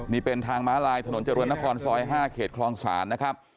นี่เป็นทางมาลายถนนจรวรณครซอย๕เขตคลองศาสตร์